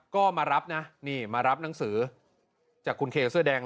ก็มารับนะนี่มารับหนังสือจากคุณเคเสื้อแดง